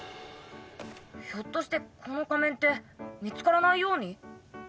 ひょっとしてこの仮面って見付からないように？